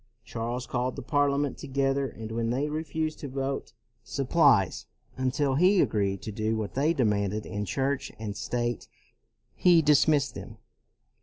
Charles called the Parliament together, and when they re fused to vote supplies until he agreed to do what they demanded in Church and state he dismissed them.